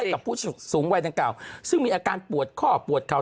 กับผู้สูงวัยดังกล่าวซึ่งมีอาการปวดข้อปวดเข่า